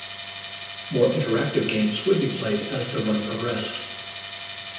More interactive games would be played as the run progressed.